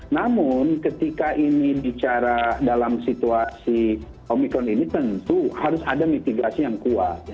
namun ketika ini bicara dalam situasi omikron ini tentu harus ada mitigasi yang kuat